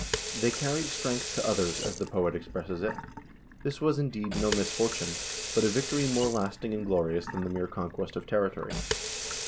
"They carried strength to others," as the poet expresses it. This was, indeed, no misfortune, but a victory more lasting and glorious than the mere conquest of territory.